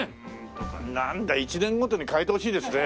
なんだ１年ごとに替えてほしいですね。